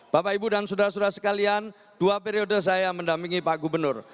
bapak ibu dan saudara saudara sekalian dua periode saya mendampingi pak gubernur